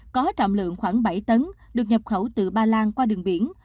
có trọng lượng khoảng bảy tấn được nhập khẩu từ ba lan qua đường biển